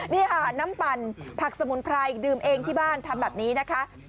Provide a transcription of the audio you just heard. นี่ค่ะน้ำปั่นผักสมุนไพรดื่มเองที่บ้านทำแบบนี้นะคะ